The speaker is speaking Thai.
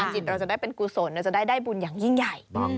จิตเราจะได้เป็นกุศลเราจะได้บุญอย่างยิ่งใหญ่